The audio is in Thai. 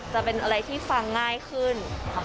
จะเป็นอะไรที่ฟังง่ายขึ้น